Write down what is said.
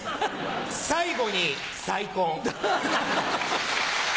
最後に再婚。